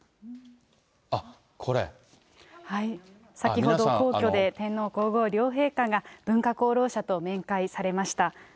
あっ、先ほど皇居で、天皇皇后両陛下が文化功労者と面会されました。